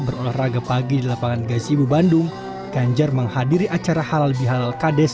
berolahraga pagi di lapangan gazibu bandung ganjar menghadiri acara halal bihalal kades